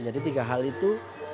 jadi tiga hal itu